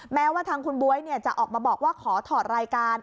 แม้ว่าทางคุณบ๊วยจะออกมาบอกว่าขอถอดรายการ